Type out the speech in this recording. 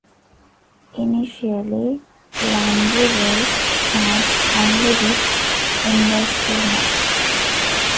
Initially, Landru was charged only with embezzlement.